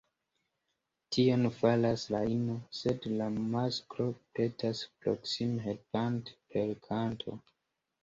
Tion faras la ino, sed la masklo pretas proksime helpante “per kanto”.